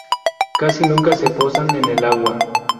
Casi nunca se posan en el agua.